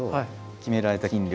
決められた斤量